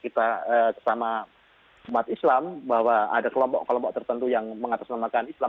kita bersama umat islam bahwa ada kelompok kelompok tertentu yang mengatasnamakan islam